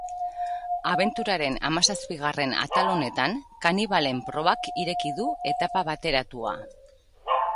Abenturaren hamazazpigarren atal honetan, kanibalen probak ireki du etapa bateratua.